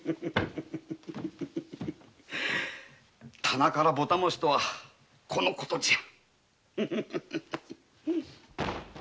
棚からボタ餅とはこのことじゃ。